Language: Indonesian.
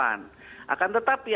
akan tetapi ada yang menurut saya